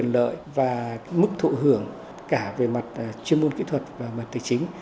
lợi và mức thụ hưởng cả về mặt chuyên môn kỹ thuật và mặt tài chính